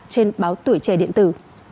trên báo tuổi trẻ điện tử